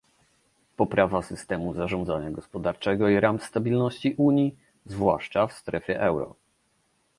Poprawa systemu zarządzania gospodarczego i ram stabilności Unii, zwłaszcza w strefie euro